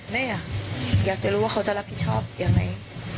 แม่อยากจะรู้ว่าเขาจะรับผิดชอบยังไง